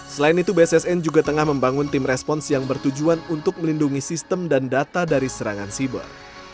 selain itu bssn juga tengah membangun tim respons yang bertujuan untuk melindungi sistem dan data dari serangan siber